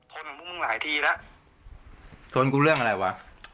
ข้อมูลหลายทีละเท่ากูเรื่องอะไรวะ